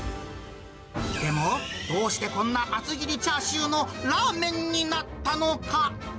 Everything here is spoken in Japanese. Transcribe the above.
でもどうしてこんな厚切りチャーシューのラーメンになったのか。